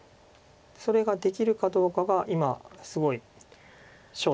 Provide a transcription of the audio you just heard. それができるかどうかが今すごい焦点です。